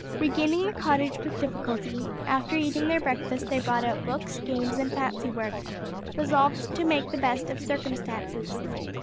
Regaining the cottage with difficulty, after eating their breakfast they brought out books, games and fancy work, resolved to make the best of circumstances.